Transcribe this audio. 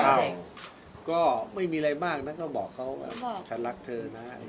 ถามพี่เหรอก็ไม่มีอะไรมากนะก็บอกเขาว่าฉันรักเธอนะรักเธอเป็นหัวของเขา